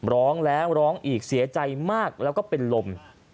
ร้องแล้วร้องอีกเสียใจมากแล้วก็เป็นลม